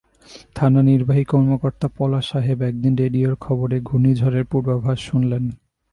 থানা নির্বাহী কর্মকর্তা পলাশ সাহেব একদিন রেডিওর খবরে ঘূর্ণিঝড়ের পূর্বাভাস শুনলেন।